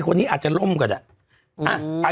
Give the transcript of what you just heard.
คนที่อาจจะล่มเจอะ